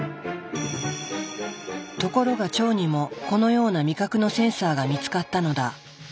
ところが腸にもこのような味覚のセンサーが見つかったのだ。